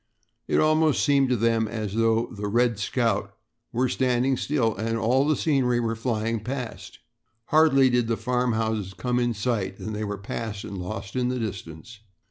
It almost seemed to them as though the "Red Scout" were standing still and all the scenery were flying past. Hardly did the farmhouses come in sight than they were passed and lost in the distance.